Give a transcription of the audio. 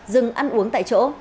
dừng ăn uống tại chỗ